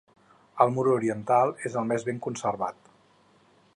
El mur oriental és el més ben conservat.